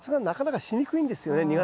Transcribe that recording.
なかなかしにくいんですよね